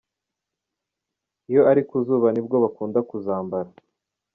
Iyo ari kuzuba ni bwo bakunda kuzambara,.